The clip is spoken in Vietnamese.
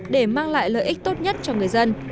để mang lại lợi ích tốt nhất cho người dân